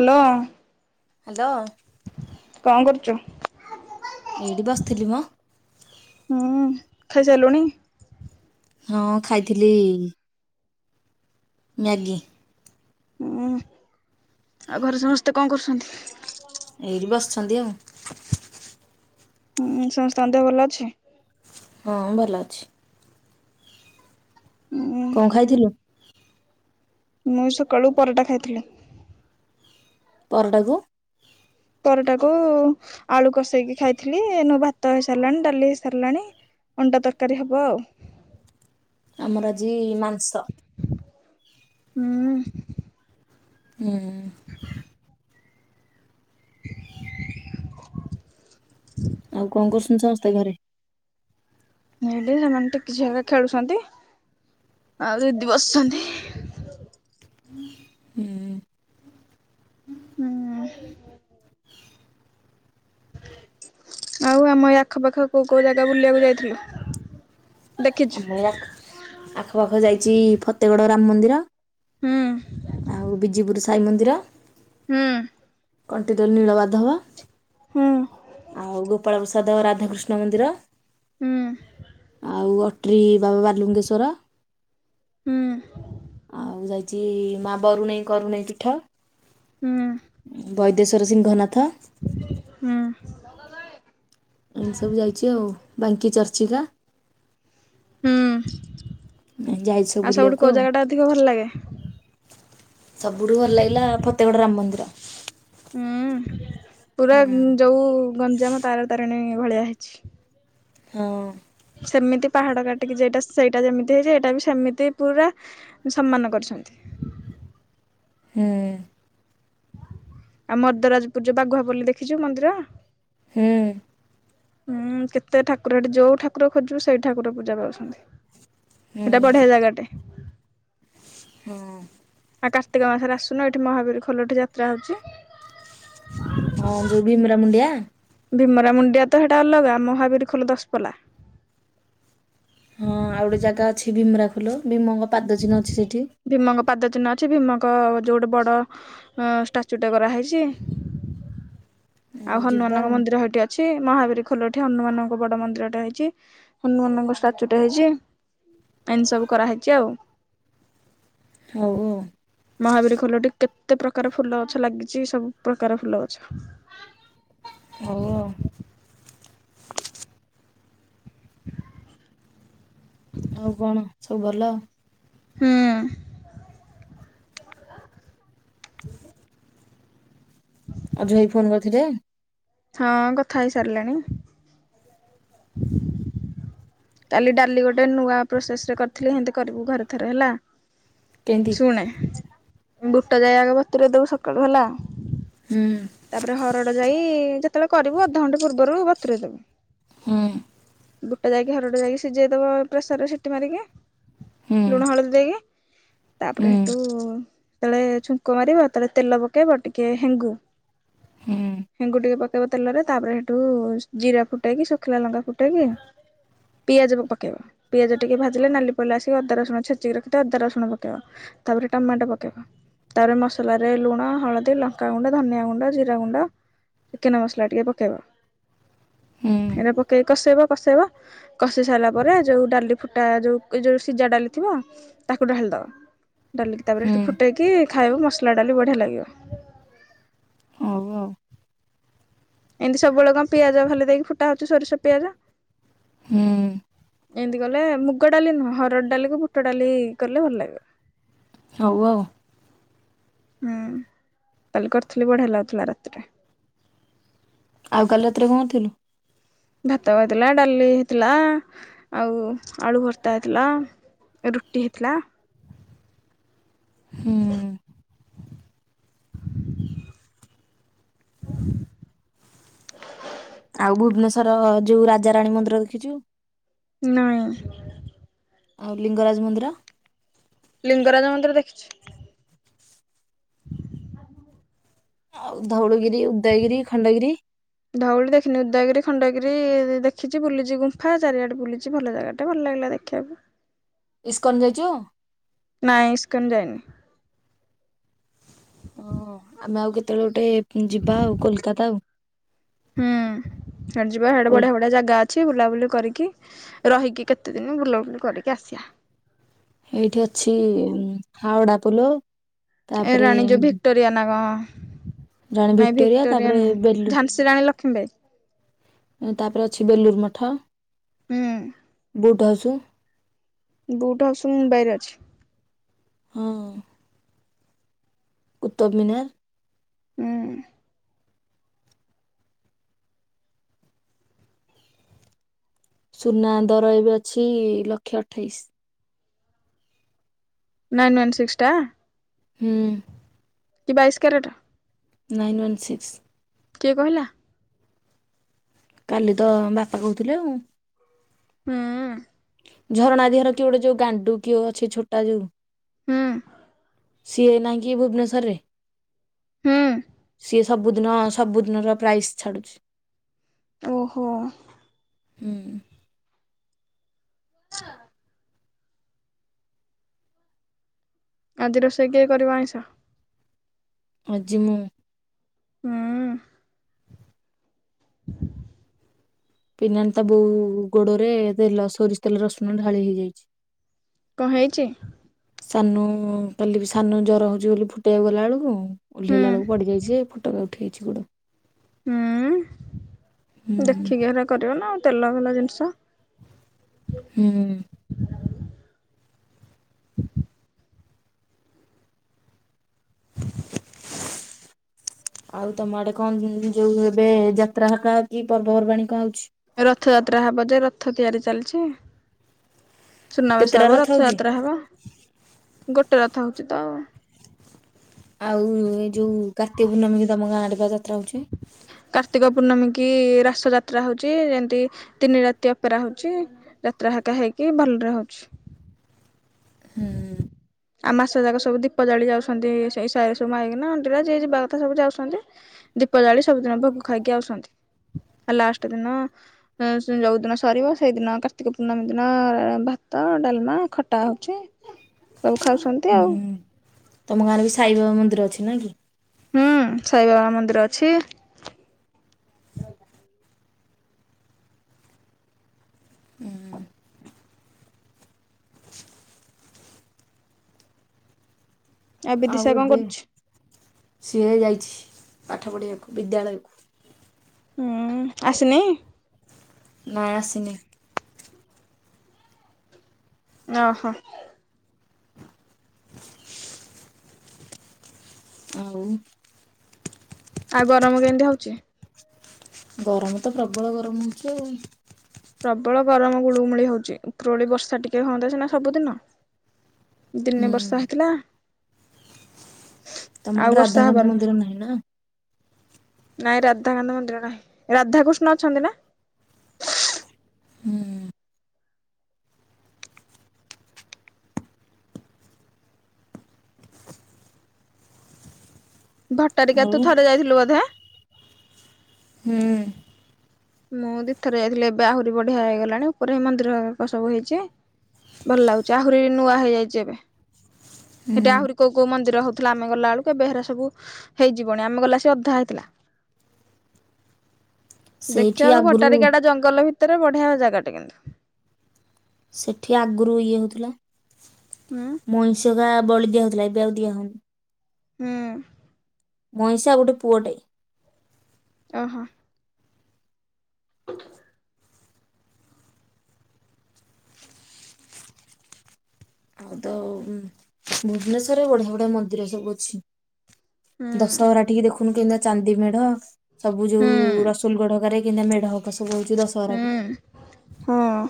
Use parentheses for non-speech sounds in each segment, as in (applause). Hello. Hello. କଣ କରୁଚ? ଏଇଠି ବସିଥିଲି ମ। ଖାଇ ସାଇଲୁଣି? ହଁ ଖାଇଥିଲି ମ୍ୟାଗୀ। ହୁଁ ଆଉ ଘରେ ସମସ୍ତେ କଣ କରୁସନ୍ତି? ଏଇଠି ବସିଛନ୍ତି ଆଉ। ହୁଁ ସମସ୍ତ ଦେହ ଭଲ ଅଛି? ହଁ ଭଲ ଅଛି। ହୁଁ। କଣ ଖାଇଥିଲୁ? ମୁଇଁ ସକାଳୁ ପରଟା ଖାଇଥିଲି। ପରଟାକୁ? ପରଟାକୁୁ ଆଳୁ କଷେଇକି ଖାଇଥିଲି। ଏଇନୁ ଭାତ ହେଇସାରିଲାଣି ଡାଲି ହେଇସାରିଲାଣି। ଅଣ୍ଡା ତରକାରୀ ହବ ଆଉ। ଆମର ଆଜି ମାଂସ। ଉଁ। ହୁଁ। (inaudible) ଆଉ କଣ କରୁଚନ୍ତି ସମସ୍ତେ ଘରେ? ହେଇଠି ସେମାନେ ଟିକି ଝିଅ ହେରିକା ଖେଳୁଚନ୍ତି। ଆଉ ଦିଦି ବସଚନ୍ତିହିଁ। ହୁଁ। ହୁଁ। ଆଉ ଆମ ଏ ଆଖ ପାଖ କୋଉ କୋଉ ଜାଗା ବୁଲିବାକୁ ଯାଇଥିଲୁ। ଦେଖିଛୁ? ଆମ ଏ ଆଖ ଆଖପାଖ ଯାଇଚି ଫତେଗଡ ରାମ ମନ୍ଦିର ହୁଁ। ଆଉ ବିଜିପୁର ସାଇ ମନ୍ଦିର। ହୁଁ କଣ୍ଟିରେ ନୀଳବାଧବ ହୁଁ ଆଉ ଗୋପାଳପ୍ରସାଦ ରାଧାକୃଷ୍ଣ ମନ୍ଦିର ହୁଁ ଆଉ ବାବା ବଲୁଙ୍ଗେଶ୍ଵର, ହୁଁ। ଆଉ ଯାଇ ମା ବରୁଣେଇ, କରୁଣେଇ ପୀଠ, ହୁଁ। ବୈଦେଶ୍ର ସିଂହନାଥ ହୁଁ ଏମିତି ସବୁ ଯାଇଛି ଆଉ, ବାଙ୍କି ଚର୍ଚ୍ଚିକା ହୁଁ ଯାଇଛି ସବୁ ଆଉ ସବୁଠୁ ବୁଲିବାକୁ କୋଉ ଆଉ। ଜାଗା ଟା ଅଧିକ ଭଲ ଲାଗେ ସବୁଠୁ ଭଲ ଲାଗିଲା -ଫତେଗଡ ରାମ ମନ୍ଦିର ହୁଁ, ପୁରା ହଁ ଯୋଉ ଗଞ୍ଜାମ ତାରା ତାରିଣୀ ଭଳିଆ ହେଇଛି। ହଁ ସେମିତି ପାହାଡ କାଟିକି ଯଟା, ସେଇଟା ଯେମିତି ହେଇଛି ଏଇଟା ବି ସେମିତି ପୁରା ସମ୍ମାନ କରିଛି। ଛନ୍ତି ହଁ ଆଉ, ମର୍ଦରାଜପୁରଜ ବାଘୁଆ ପଲ୍ଲୀ ଦେଖିଛୁ ମନ୍ଦିର ହଁ ହୁଁ, କେତେ ଠାକୁର ହେଠି, ଯୋଉ ଠାକୁର ଖୋଜିବୁ ସେଇଠି ଠାକୁର ପୂଜା ପାଉଛନ୍ତି। ହୁଁ ସେଟା ବଢିଆ ଜାଗାଟେ ହଁ ଆଉ କାର୍ତ୍ତିକ ମାସରେ ଆସୁନ ଏଇଠି ମହାବୀର ଖୋଲ ଏଠି ଯାତ୍ରା ହେଉଛି ହଁ ଜୁବମରା ମୁଣ୍ଡିଆ ଭୀମରା ମୁଣ୍ଡିଆ ତ ସେଇଟା ଅଲଗା, ମହାବୀର ଖୋଲ ଦଶପଲା ବିମ୍ର ଫୁଲ ବିମଙ୍ଗ ଭୀମଙ୍କ ପାଦ ଚିହ୍ନ ଅଛି, ଭୀମଙ୍କ ଭୀମଙ୍କ ଯୋଉ ଗୋଟେ ବଡ ଷ୍ଟାଚୁଟେ କରାହେଇଛି। ଆଉ ଯିବା ହନୁମାନଙ୍କ ଆଉ ମନ୍ଦିର ଏଇଠି ଅଛି ଛି ମହାବୀର ଖୋଲଠି ହନୁମାନଙ୍କ ବଡ ମନ୍ଦିରଟା ହେଇଛି, ହନୁମାନଙ୍କ ଷ୍ଟାଚୁ ଟା ହେଇଛି ଏଇନିତି ସବୁ କରାହେଇଛି ଆଉ ହଉ ହଉ ମହାବୀର ଖୋଲ ଟିକେ କେତେ ପ୍ରକାର ଫୁଲ ଗଛ ଲାଗିଛି, ସବୁ ପ୍ରକାର ଫୁଲ ଗଛ ହଁ ହ (inaudible) ଆଉ କଣ ସବୁ ଭଲ? ହୁଁ। ଆଉ ଜୋଇଁ ଫୋନ କରିଥିଲେ ହଁ କଥା ହେଇସାରିଲାଣି। କାଲି ଡାଲି ଗୋଟେ ନୂଆ ପ୍ରୋସେସ ରେ କରିଥିଲି, ସେମତି କରିବୁ ଘରେ ଥରେ ହେଲା କେମିତି? ଶୁଣେ, ବୁଟ ଜାଇ ଆଗେ ବତୁରେଇଦେବୁ ସକାଳୁ ହେଲା, ଆଉ ହୁଁ ତାପରେ ହରଡ ଯାଇ ଯେତେବେଳେ କରିବୁ ଅଧଘଣ୍ଟା ପୂର୍ବରୁ ବତୁରେଇଦେବୁ। ହଁ ବୁଟା ଯାଇକି ହରଡ ଯାଇକି ସିଝେଇଦବ ପ୍ରେସରରେ ସିଟି ମାରିକି, ହୁଁ ଲୁଣ ହଳଦୀ ଦେଇକି ତାପରେ ହୁଁ ସେଠୁ ଯେତେବେଳେ ଛୁଙ୍କ ମାରିବ, ତଳେ ତେଲ ପକେଇବ, ଟିକେ ହେଙ୍ଗୁ ହୁଁ ହେଙ୍ଗୁ ଟିକେ ପକେଇ ବ ତେଲରେ ତାପରେ ହେଠୁ ଜିରା ଫୁଟେଇକି, ଶୁଖିଲା ଲଙ୍କା ଫୁଟେଇକି ପିଆଜ ପକେଇବା, ପିଆଜ ଟିକେ ଭାଜିଲେ ନାଲି ପଇ ଲା ଆସିକି, ଅଦା ରସୁଣ ଛେଚିକି ରଖିବେ, ଅଦା ରସୁଣ ପକେଇବା ତାପରେ ଟାମାଟେ ପକାଇବା। ତାପ ମସଲ ରେ ଲୁଣ, ହଳଦୀ, ଲଙ୍କା ଗୁଣ୍ଡ, ଧନିଆ ଗୁଣ୍ଡ, ଜିରା ଗୁଣ୍ଡ ଚିକେନ ମସଲା ଟିକେ ପକେଇବ, ହୁଁ ଏଟା ପକେଇକି କଷେଇବ କଷେଇବ କଷି ସାରିଲା ପରେ ଯଉ ଡାଲି ଫୁଟା ଯୋଉ ଯୋଉ ସିଝା ଡାଲି ଥିବ ତାକୁ ଡାଳିଦବା। ଡାଲିକି ତାପରେ ହୁଁ ସେଠି ଫୁଟେଇକି ଖାଇବ ମସଲା ଡାଲି ବଢିଆ ଲାଗିବ। ହୋଉ ଆଉ ଏମିତି ସବୁବେଳେ କଣ ପିଆଜ ଭାଲି ଦେଇକି ଫୁଟା ହୋଉଛି ସୋରିଷ ପିଆଜ। ହୁଁ। ଏମିତି ଗଲେ ମୁଗ ଡାଲି ନୁହଁ ହରଡ଼ ଡାଲିକୁ ବୁଟ ଡାଲି କଲେ ଭଲ ଲାଗିବ। ହୋଉ ଆଉ ହୁଁ କାଲି କରିଥିଲି ବଢିଆ ଲାଗୁଥିଲା ରାତିରେ। ଆଉ କାଲି ରାତିରେ କଣ କରିଥିଲୁ? ଭାତ ହେଇଥିଲା ଡାଲି ହେଇଥିଲା ଆଉ ଆଳୁ ଭର୍ତ୍ତା ହେଇଥିଲା। ରୁଟି ହେଇଥିଲା। ହୁଁ। ଆଉ ଭୁବନେଶ୍ଵର ଯୋଉ ରାଜାରାଣୀ ମନ୍ଦିର ଦେଖିଛୁ? ନାଇଁ। ଆଉ ଲିଙ୍ଗରାଜ ମନ୍ଦିର? ଲିଙ୍ଗରାଜ ମନ୍ଦିର ଦେଖିଛି। ଆ ଧଉଳିଗିରି ଉଦୟଗିରି ଖଣ୍ଡଗିରି? ଧଉଳି ଦେଖିନି ଉଦୟଗିରି ଖଣ୍ଡଗିରି ଦେଖିଛି ବୁଲିଛି ଗୁମ୍ଫା ଚାରିଆଡେ ବୁଲିଛି ଭଲ ଜାଗା ଟେ ଭଲ ଲାଗିଲା ଦେଖିବାକୁ। ଇସ୍କନ ଯାଇଛୁ? ନାଇଁ ଇସ୍କନ ଯାଇନି। ଓ ଆମେ ଆଉ କେତେବେଳେ ଗୋଟେ ଯିବା ଆଉ କୋଲକାତା ଆଉ। ହୁଁ ସେ ଯିବା ବଢିଆ କୋଲ- ବଢିଆ ଜାଗା ଅ ଛି ବୁଲାବୁଲି କରିକି ରହିକି କେତେ ଦିନ ବୁଲାବୁଲି କରିକି ଆସିବା। ଏଇଠି ଅଛି ହାଓଡା ପୋଲ। ଏ ତାପରେ ରାଣୀ ଯୋଉ ଭିକଟୋରିଆ ନା କଣ? ରାଣି ନାଇଁ ଭିକ୍ଟୋରିଆ ତାପରେ ନୁହଁ ବେଲୁୁ ଝାନ୍ସୀ ରାଣୀ ଲକ୍ଷ୍ମୀବାଇ ତାପରେ ଅଛି ବେଲୁୁରୁ ମଠ ହୁଁ ବୁଟ ହାଉସ। ବୁଟ ହାଉସୁ ମୁମ୍ବାଇରେ ଅଛି। ହଁ। କୁତ୍ତବ ମିିନାର। ହୁଁ। ସୁନା ଦର ଏବେ ଅଛି ଲକ୍ଷେ ଅଠେଇଶି। ନାଇନ୍ ୱନ୍ ସିକ୍ସ ଟା। ହୁଁ। କି ବାଇସି କ୍ୟାରେଟ୍। Nine one six. କିଏ କହିଲା। କାଲି ତ ବାପା କହୁଥିଲେ ଆଉ ହୁଁ। ଝରଣା ଦେଇ ଘର କିଏ ଗୋଟେ ଯୋଉ ଗାଣ୍ଡୁ କିଏ ଅଛି ଛୋଟା ଯୋଉ ହୁଁ। ସିଏ ନାହିଁ କି ଭୁବନେଶ୍ଵରରେ ହୁଁ ସିଏ ସବୁଦିନ ସବୁଦିନର ପ୍ରାଇସ୍ ଛାଡୁଛି। ଓହୋ। ହୁଁ। (inaudible) ଆଜି ରୋଷେଇ କିଏ କରିବ ଆଇଁଷ? ଆଜି ମୁଁ ହୁଁ। ହୁଁ ପିଲାଙ୍କ ତା ବୋଉ ଗୋଡରେ ତେଲ ସୋରିଷ ତେଲ ରସୁଣ ଢାଳି ହେଇଯାଇଛି। କଣ ହେଇଛି? ସାନୁ କାଲି ବି ସାନ ଜର ହଉଛି ବୋଲି ଫୁଟେଇବାକୁ ଗଲା ବେଳକୁ ଓହ୍ଲେଇଲା ହୁଁ ବେଳକୁ ପଡିଯାଇଛି ଫୋଟକା ଉଠି ଯାଇଛି ଗୋଡେ ହୁଁ ହୁଁ ଦେଖିକି ହେଲା କରିବ ନାଉ ତେଲ ଭେଲ ଜିନିଷ ହୁଁ (inaudible) ଆଉ ତମ ଆଡେ କଣ ଯୋଉ ଏବେ ଯାତ୍ରା ହାକା କି ପର୍ବପର୍ବାଣି କଣ ହଉଛି? ରଥଯାତ୍ରା ହବ ଯେ ରଥ ତିଆରି ଚାଲିଛି। ସୁନାବେଶ କେତେଟା ହବ ରଥ ହଉଛି? ରଥଯାତ୍ରା ହବ ଗୋଟେ ରଥ ହଉଛି ତ ଆଉ। ଆଉ ଏ ଯୋଉ କାର୍ତ୍ତିକ ପୂର୍ଣ୍ଣମୀ କି ତମ ଗାଁ ଆଡେ ଯାତ୍ରା ହଉଛି। କାର୍ତ୍ତିକ ପୂର୍ଣ୍ଣମୀ କି ରାସ ଯାତ୍ରା ହଉଛି ଯେମତି ତିନି ରାତି ଅପେରା ହଉଛି ଯାତ୍ରାକା ହେଇକି ଭଲ। ବାହଚ ହୁଁ ଆଉ ମାସେ ଯାକ ସବୁ ଦୀପ ଜାଳି ଯାଉଛନ୍ତି ସେଇ ସାଇର ସବୁ ମାଇକିନା ଅଣ୍ଡିରା ଯିଏ ଯିବା କଥା ସବୁ ଯାଉଛନ୍ତି। ଦୀପ ଜାଳି ସବୁଦିନ ଭୋଗ ଖାଇକି ଆସୁଛନ୍ତି। ଆ ଲାଷ୍ଟ ଦିନ ଯୋଉଦିନ ସରିବ ସେଇଦିନ କାର୍ତ୍ତିକ ପୂର୍ଣ୍ଣମୀ ଦିନ ଭାତ ଡାଲମା ଖଟା ହଉଛି। ସବୁ ଖାଉଛନ୍ତି ଆଉ। ହୁଁ ତମ ଗାଁରେ ବି ସାଇବାବା ମନ୍ଦିର ଅଛି ନା କି? ହୁଁ ସାଇବାବା ମନ୍ଦିର ଅଛି। ହୁଁ ବିଦିଶା ଆଉ କଣ ଏବେ କରୁଛି? ସିଏ ଯାଇଛି। ପାଠ ପଢ଼ିବାକୁ ବିଦ୍ୟାଳୟକୁ ହୁଁ ଆସିନି। ନାଇଁ ଆସିିନି। ଓ ହୋ ଆଉ ଆଉ ଗରମ କେମିତି ହଉଛି? ଗରମ ତ ପ୍ରବଳ ଗରମ ହଉଛି ଆଉ। ପ୍ରବଳ ଗରମ ଗୁଳୁମୁଳି ହଉଛି ଉପରୁଳି ବର୍ଷା ଟିକେ ହୁଅନ୍ତା ସ ସବୁଦିନ। ହୁଁ। ଦିନେ ବର୍ଷା ହେଇଥିଲା ତମର ଆଉ ବର୍ଷା ହବାର ରାଧାକାନ୍ଧ ମନ୍ଦିର ନାହିଁ ନା? ନାଇଁ ରାଧାକାନ୍ଦ ମନ୍ଦିର ନାହିଁ ରାଧାକୃଷ୍ଣ ଅଛନ୍ତି ନା। ହୁଁ ଭଟାରିକା ଆଉ ତୁ ଥରେ ଯାଇଥିଲୁ ବୋଧେ? ହଁ ମୁଁ ଦୁଇ ଥର ଯାଇଥିଲି ଏବେ ଆହୁରି ବଢିଆ ହେଇଗଲାଣି ଉପରେ ହିଁ ମନ୍ଦିର ସବୁ ହେଇଛି। ଭଲ ଲାଗୁଛି ଆହୁରି ନୂଆ ହେଇଯାଇଛି ଏବେ ହୁଁ। ଆହୁରି କୋଉ କୋଉ ମନ୍ଦିର ହଉଥିଲା ଆମେ ଗଲା ବେଳକୁ ଏବେହେରା ସବୁ ହେଇଯିବନି ଆମେ ଗଲା ସ ଅଧା ହେଇଥିଲା। ସେଇଠି ଦେଖିବାକୁ ଆଗରୁ ଭଟାରିକାଡା ଜଙ୍ଗଲ ଭିତରେ ଏତେଟ ବଢିଆ ଜାଗା ଟେ କିନ୍ତୁ ସେଠି ଆଗରୁ ଇଏ ହଉଥିଲା ହୁଁ ମଇଷ ଗା ବଳି ଦିଆ ହଉଥିଲା ଏବେ ଆଉ ଦିଆ ହଉନି। ହୁଁ ମଇସା ଗୋଟେ ପୁଅଟେ ଓହୋ (inaudible) ଆଉ ତ ଭୁବନେଶ୍ଵରରେ ବଢିଆ ବଢିଆ ମନ୍ଦିର ସବୁ ଅଛି ହୁଁ ଦଶହରା ଟିକେ ଦେଖୁନୁ କେମିତିଆ ଚାନ୍ଦି ମେଢ ସବୁ ଯୋଉ ହୁଁ ରସୁଲ ଗଡ କାରେ। କେମିତିଆ ମେଢ ହରିକା ସବୁ ହଉଛି ହୁଁ ଦଶହରାକୁ। ହଁ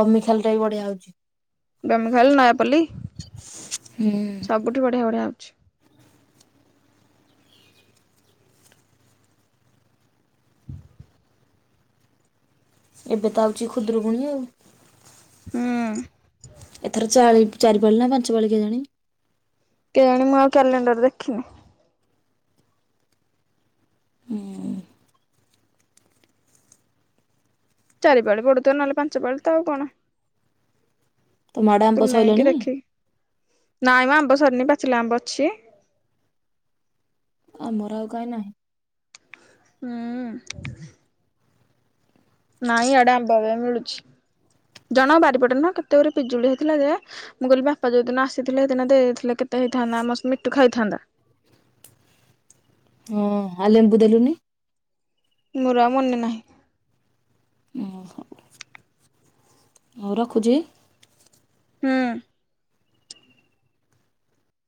ବମିଖାଲ ଟା ବି ବଢିଆ ହଉଛି। ବମିଖାଲ ନୟାପଲ୍ଲୀ ହୁଁ। ସବୁଠି ବଢିଆ ବଢିଆ ହଉଛି। ଏବେ ତ ଆଉଛି ଖୁଦୁରୁକୁଣୀ ଆଉ। ହୁଁ। ଏଥର ଚାଳି ଚାରିପାଳି ନା ପାଞ୍ଚ ପାଳି କେଜାଣି। କେଜାଣି ମୁଁ ଆଉ କ୍ୟାଲେଣ୍ଡର ଦେଖିନି। ହୁଁ। ଚାରି ପାଳି ପଡୁଥିବ ନହେଲେ ପାଞ୍ଚ ପାଳି ତ ଆଉ କଣ। ତମ ଆଡେ ଆମ୍ବ ତୁନେଇକି ସଇଲାଣି। ଦେଖି ନାଇଁ ମ ଆମ୍ବ ସରିନି ପାଚିଲା ଆମ୍ବ ଅଛି। ଆମର ଆଉ କାଇଁ ନାହିଁ। ହୁଁ। ନାଇଁ ଇଆଡେ ଆମ୍ବ ଏବେ ମିଳୁଛି। ଜଣକ ବାରିପଟେ ନୁହଁ କେତେ ଗୁରେ ପିଜୁଳି ହେଇଥିଲା ଯେ ମୁଁ କହିଲି ବାପା ଯୋଉଦିନ ଆସିଥିଲେ ସେଦିନ ଦେଇଥିଲେ କେ ହେଇଥାନ୍ତା ଆମର ସେ ମିଟୁ ଖାଇଥାନ୍ତା। ହଁ ଆଉ ଲେମ୍ବୁ ଦେଲୁନି। ମୋର ଆଉ ମନେ ନାହିଁ। ଉଁ ହଉ। ହଉ ରଖୁଛି। ହୁଁ।